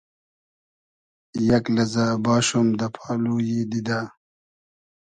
یئگ لئزۂ باشوم دۂ پالویی دیدۂ